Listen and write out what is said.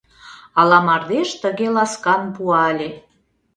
Ала мардеж тыге ласкан пуале.